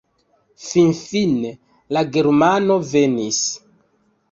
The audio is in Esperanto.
Finfine la germano venis.